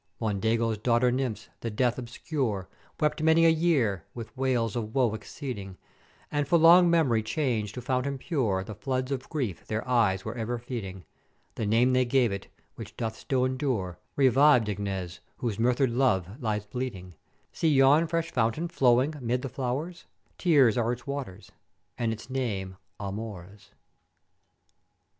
"Mondego's daughter Nymphs the death obscure wept many a year, with wails of woe exceeding; and for long mem'ry changed to fountain pure the floods of grief their eyes were ever feeding: The name they gave it, which doth still endure, revived Ignèz, whose murthered love lies bleeding, see yon fresh fountain flowing 'mid the flowers, tears are its waters, and its name 'Amores!'